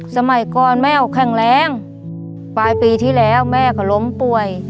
สมัยก่อนแม่เอาแข็งแรงปลายปีที่แล้วแม่เขาล้มป่วย